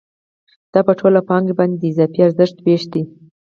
دا په ټوله پانګه باندې د اضافي ارزښت وېش دی